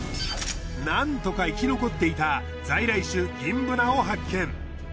なんとか生き残っていた在来種ギンブナを発見。